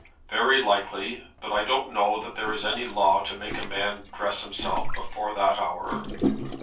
"Very likely; but I don't know that there is any law to make a man dress himself before that hour."